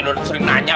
sudah sering nanya